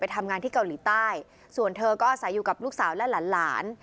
ทำงานที่เกาหลีใต้ส่วนเธอก็อาศัยอยู่กับลูกสาวและหลานหลาน